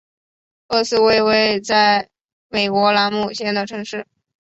厄斯为位在美国兰姆县的城市。